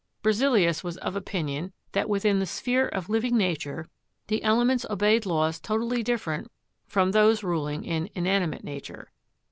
Berzelius was of opinion that within the sphere of living nature the elements obeyed laws totally differ ent from those ruling in inanimate nature.